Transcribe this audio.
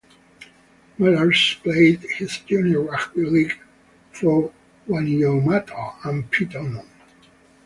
Mellars played his junior rugby league for Wainuiomata and Petone.